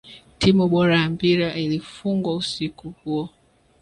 timu bora ya mpira ilifungwa usiku huo